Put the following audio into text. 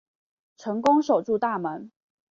成功守住大门